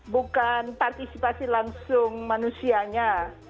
bukan partisipasi langsung manusianya